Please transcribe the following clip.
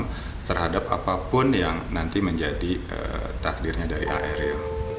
dan terhadap apapun yang nanti menjadi takdirnya dari eril